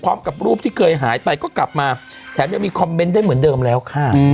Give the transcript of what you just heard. พร้อมกับรูปที่เคยหายไปก็กลับมาแถมยังมีคอมเมนต์ได้เหมือนเดิมแล้วค่ะ